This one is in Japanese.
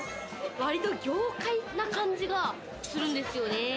わりと業界な感じがするんですよね。